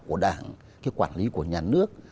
của đảng cái quản lý của nhà nước